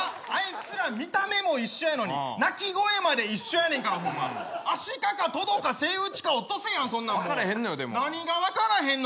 つら見た目も一緒やのに鳴き声まで一緒やねんからホンマアシカかトドかセイウチかオットセイやん分からへんのよでも何が分からへんの？